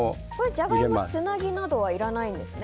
ジャガイモつなぎなどはいらないんですね？